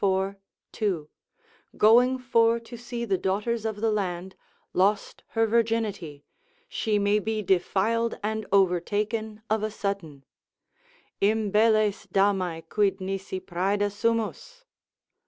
2,) going for to see the daughters of the land, lost her virginity, she may be defiled and overtaken of a sudden: Imbelles damae quid nisi praeda sumus?